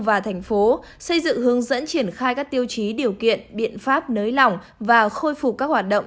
và thành phố xây dựng hướng dẫn triển khai các tiêu chí điều kiện biện pháp nới lỏng và khôi phục các hoạt động